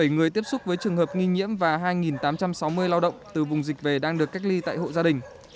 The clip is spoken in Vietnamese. bảy người tiếp xúc với trường hợp nghi nhiễm và hai tám trăm sáu mươi lao động từ vùng dịch về đang được cách ly tại hộ gia đình